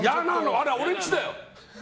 あれは俺んちだよ！